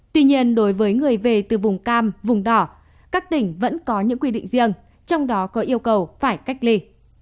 tuy nhiên đối với người về từ vùng cam vùng đỏ các tỉnh vẫn có những quy định riêng trong đó có yêu cầu phải cách ly